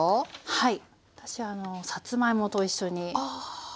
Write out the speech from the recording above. はい。